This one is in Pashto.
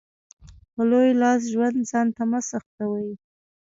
په لوی لاس ژوند ځانته مه سخوئ.